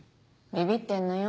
ビビってんのよ。